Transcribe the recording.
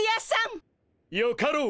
よかろう。